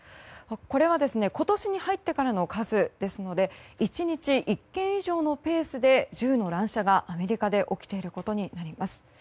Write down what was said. これは今年に入ってからの数ですので１日１件以上のペースで銃の乱射がアメリカで起きていることになります。